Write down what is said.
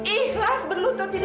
ikhlas berlutut di hadapan diamban